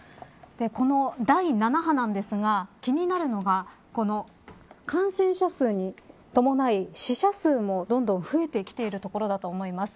この第７波なんですが気になるのがこの感染者数に伴い死者数もどんどん増えてきているところだと思います。